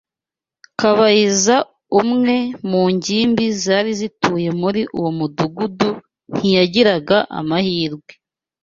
Kabayiza umwe mu ngimbi zari zituye muri uwo mudugudu ntiyagiraga amahirwe